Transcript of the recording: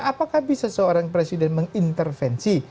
apakah bisa seorang presiden mengintervensi